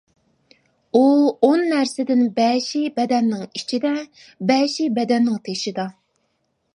ئۇ ئون نەرسىدىن بەشى بەدەننىڭ ئىچىدە، بەشى بەدەننىڭ تېشىدا.